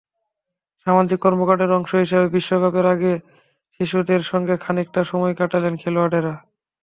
সামাজিক কর্মকাণ্ডের অংশ হিসেবে বিশ্বকাপের আগে শিশুদের সঙ্গে খানিকটা সময় কাটালেন খেলোয়াড়েরা।